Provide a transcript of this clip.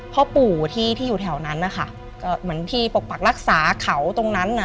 พ่อปู่ที่อยู่แถวนั้นที่ปกปักรักษาเขาตรงนั้น